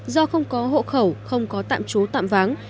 do không có hộ khẩu không có tạm chú tạm váng